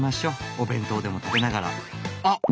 お弁当でも食べながらあ！